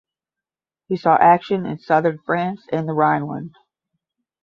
He saw action in southern France and the Rhineland.